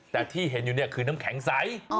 แต่ที่เห็นอยู่เนี่ยคือน้ำแข็งใส